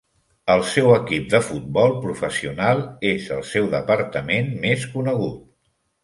El seu equip de futbol professional és el seu departament més conegut.